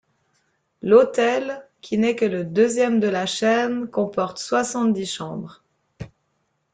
L'hôtel, qui n'est que le deuxième de la chaîne, comporte soixante-dix chambres.